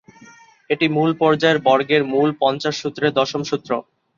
এটি মূলপর্যায় বর্গের মূল পঞ্চাশ সূত্রের দশম সূত্র।